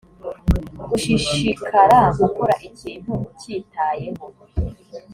gushishikara gukora ikintu ukitayeho